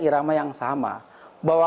irama yang sama bahwa